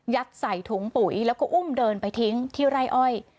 ใส่ถุงปุ๋ยแล้วก็อุ้มเดินไปทิ้งที่ไร่อ้อย